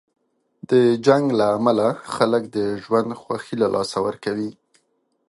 د جنګ له امله خلک د ژوند خوښۍ له لاسه ورکوي.